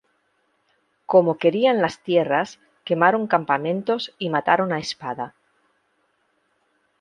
Como querían las tierras, quemaron campamentos y mataron a espada.